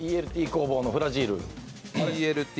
ＥＬＴ工房のフラジール。